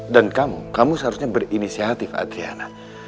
dan kamu kamu seharusnya berinisiatif adriana